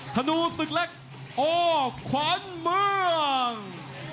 ธนูศึกเล็กโอขวัญเมือง